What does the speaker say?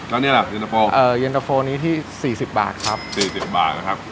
แล้วนี่แหละเย็นตะโฟเอ่อเย็นตะโฟนี้ที่สี่สิบบาทครับสี่สิบบาทนะครับ